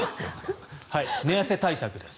寝汗対策です。